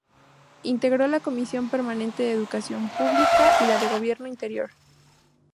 Integró la Comisión Permanente de Educación Pública; y la de Gobierno Interior.